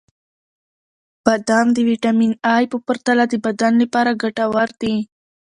• بادام د ویټامین ای په پرتله د بدن لپاره ګټور دي.